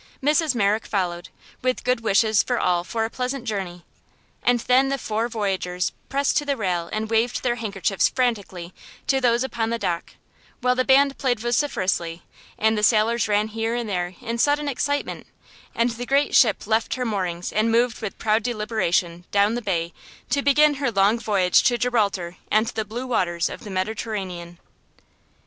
Mrs. Merrick followed, with good wishes for all for a pleasant journey; and then the four voyagers pressed to the rail and waved their handkerchiefs frantically to those upon the dock while the band played vociferously and the sailors ran here and there in sudden excitement and the great ship left her moorings and moved with proud deliberation down the bay to begin her long voyage to Gibraltar and the blue waters of the Mediterranean.